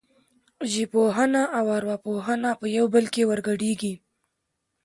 ژبپوهنه او ارواپوهنه په یو بل کې ورګډېږي